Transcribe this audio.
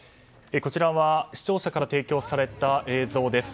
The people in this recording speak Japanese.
こちらは視聴者から提供された映像です。